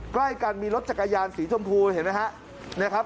ใกล้กันมีรถจักรยานสีชมพูเห็นไหมครับ